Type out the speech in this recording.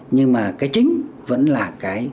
nhưng mà cái chính vẫn là cái